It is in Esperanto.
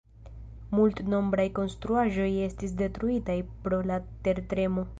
Multnombraj konstruaĵoj estis detruitaj pro la tertremo.